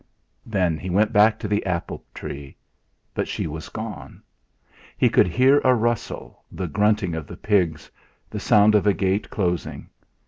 Then he went back to the apple tree. But she was gone; he could hear a rustle, the grunting of the pigs, the sound of a gate closing.